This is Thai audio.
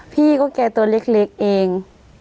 พี่ก็แกตัวเล็กเอง